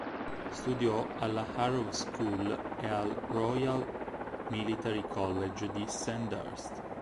Studiò alla Harrow School e al Royal Military College di Sandhurst.